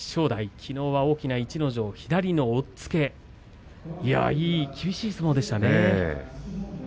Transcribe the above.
きのうは大きな逸ノ城、左の押っつけ厳しい相撲でしたね。